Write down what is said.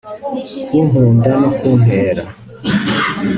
kunkunda no kuntera